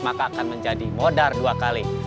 maka akan menjadi modal dua kali